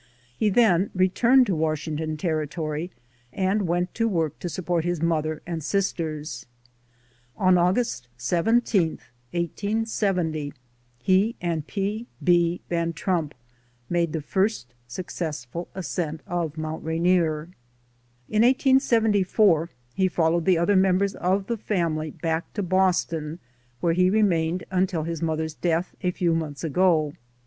He then returned to Washington Territory and went to work to support his mother and sisters. On August 17, 1870, he and P. B. Van Trump made the first successful ascent of Mount Rainier. In 1874, he followed the other members of the family back to Boston where he remained until his mother's death, a few months ago.